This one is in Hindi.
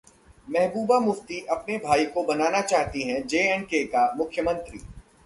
महबूबा मुफ्ती अपने भाई को बनाना चाहती हैं J-K का मुख्यमंत्री